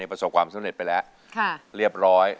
ประสบความสำเร็จไปแล้วเรียบร้อย